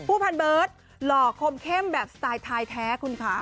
พันเบิร์ตหล่อคมเข้มแบบสไตล์ไทยแท้คุณคะ